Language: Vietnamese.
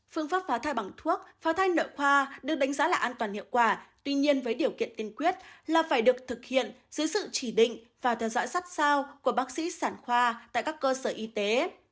phương pháp phá thai bằng thuốc pháo thai nợ khoa được đánh giá là an toàn hiệu quả tuy nhiên với điều kiện tiên quyết là phải được thực hiện dưới sự chỉ định và theo dõi sát sao của bác sĩ sản khoa tại các cơ sở y tế